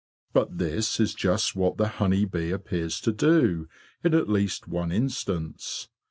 But this is just what the honey bee appears to do in at least one instance.